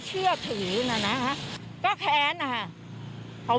คุณประสิทธิ์ทราบรึเปล่าคะว่า